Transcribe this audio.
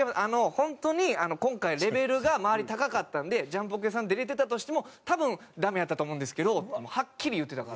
「本当に今回レベルが周り高かったんでジャンポケさん出れてたとしても多分ダメやったと思うんですけど」ってはっきり言ってたから。